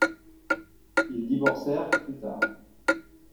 Ils divorcèrent plus tard.